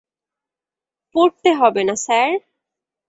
পড়তে হবে না স্যার।